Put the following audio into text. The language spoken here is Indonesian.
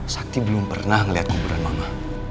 sakti belum pernah melihat kuburan mama